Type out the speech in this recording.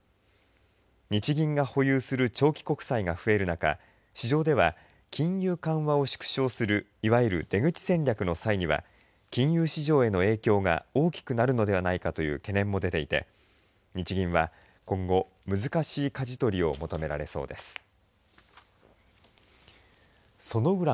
日銀が保有する長期国債が増える中市場では金融緩和を縮小するいわゆる出口戦略の際には金融市場への影響が大きくなるのではないかという懸念も出てて日銀は今後難しいかじ取りを求められそうです。